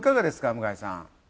向井さん。